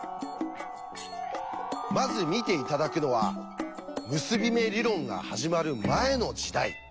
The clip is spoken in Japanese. まず見て頂くのは結び目理論が始まる前の時代。